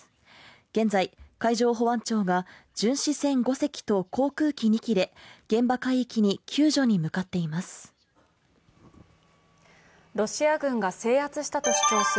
現在、海上保安庁が巡視船５隻と航空機２機で現場海域に救助に向かっています。